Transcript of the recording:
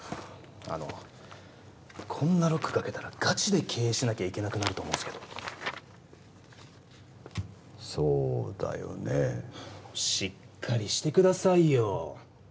あのこんなロックかけたらガチで経営しなきゃいけなくなると思うんすけどそうだよねしっかりしてくださいよ